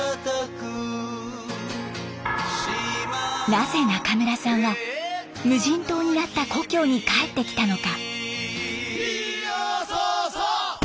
なぜ中村さんは無人島になった故郷に帰ってきたのか？